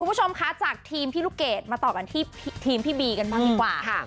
คุณผู้ชมคะจากทีมพี่ลูกเกดมาต่อกันที่ทีมพี่บีกันบ้างดีกว่าค่ะ